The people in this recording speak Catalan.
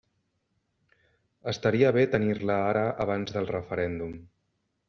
Estaria bé tenir-la ara abans del referèndum.